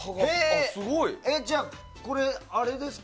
じゃあ、これ、あれですか。